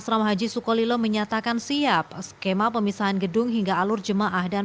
asrama haji sukolilo menyatakan siap skema pemisahan gedung hingga alur jemaah dan